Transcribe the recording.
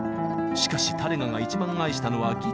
しかしタレガが一番愛したのはギター。